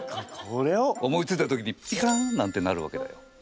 思いついた時にピカン！なんてなるわけだよ。